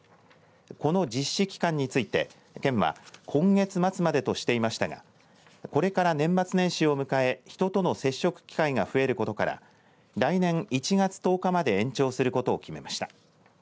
この実施期間について県は今月末までとしていましたがこれから年末年始を迎え、人との接触機会が増えることから来年１月１０日まで延長することを決めました。